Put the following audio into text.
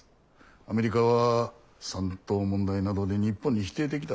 アメリカは山東問題などで日本に否定的だ。